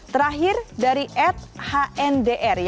terakhir dari ed hndr